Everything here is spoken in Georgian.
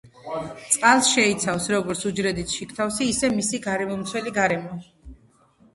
წყალს შეიცავს, როგორც უჯრედის შიგთავსი ისე მისი გარემომცველი გარემო.